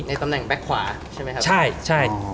ตำแหน่งแก๊กขวาใช่ไหมครับใช่ใช่